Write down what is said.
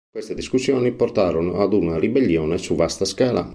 Queste discussioni portarono ad una ribellione su vasta scala.